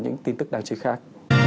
những tin tức đáng chú ý khác